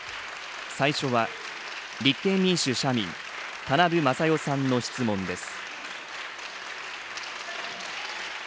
最初は、立憲民主・社民、田名部匡代さんの質問です。